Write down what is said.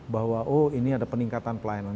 bahwa oh ini ada peningkatan pelayanan